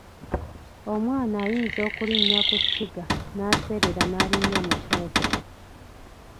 Omwana ayinza okulinnya ku ssiga n’aseerera n’alinnya mu kyoto.